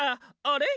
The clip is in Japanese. あれ？